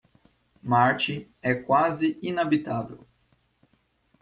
Marte é quase inabitável.